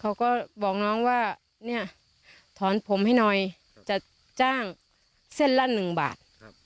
เขาก็บอกน้องว่าเนี่ยถอนผมให้หน่อยจะจ้างเส้นละ๑บาท